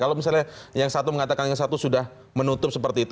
kalau misalnya yang satu mengatakan yang satu sudah menutup seperti itu